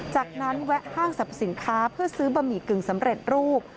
จากนั้นแวะห้างสรรพสินค้าเพื่อซื้อบะหมี่กึ่งสำเร็จรูป